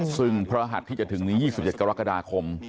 ซึ่งพระหัสที่จะถึงนี้๒๗กรกฎาคม